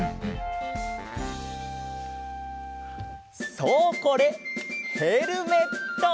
そうこれヘルメット！